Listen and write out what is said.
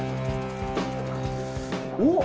おっ！